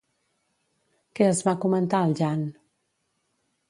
Què es va comentar el Jan?